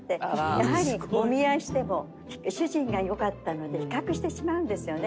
やはりお見合いしても主人がよかったので比較してしまうんですよね。